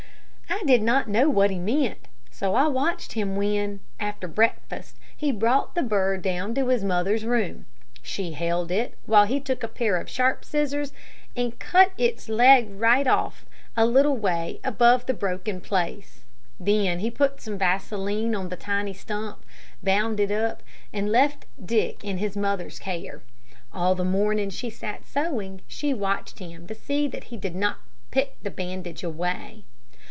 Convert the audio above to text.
I did not know what he meant, so I watched him when, after breakfast, he brought the bird down to his mother's room. She held it while he took a pair of sharp scissors, and cut its leg right off a little way above the broken place. Then he put some vaseline on the tiny stump, bound it up, and left Dick in his mother's care. All the morning, as she sat sewing, she watched him to see that he did not pick the bandage away.